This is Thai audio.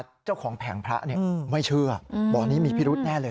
เจ้าของแผงพระเนี้ยอืมไม่เชื่ออืมบอกว่านี้มีพิรุธแน่เลย